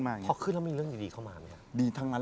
แต่เขาตัดได้มั้ยอันนี้อย่างนี้อย่างนี้อย่างนี้